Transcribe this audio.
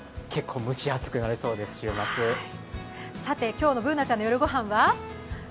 今日のＢｏｏｎａちゃんの夜ごはんは？